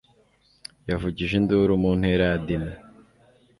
yavugije induru mu ntera ya dina